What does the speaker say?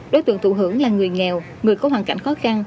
đối tượng thụ hưởng là người nghèo người có hoàn cảnh khó khăn